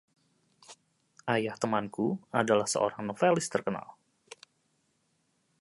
Ayah temanku adalah seorang novelis terkenal.